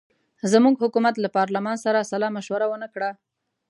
زموږ حکومت له پارلمان سره سلامشوره ونه کړه.